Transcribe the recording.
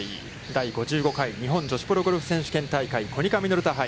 第５５回日本女子プロゴルフ選手権大会コニカミノルタ杯。